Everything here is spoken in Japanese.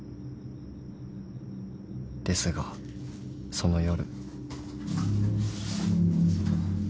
［ですがその夜］